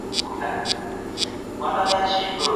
استاد د څيړني ارزښت یادوي.